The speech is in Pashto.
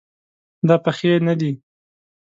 دا پخې نه ده